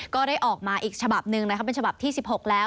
ก็ได้ออกมาอีกฉบับหนึ่งนะครับเป็นฉบับที่๑๖แล้ว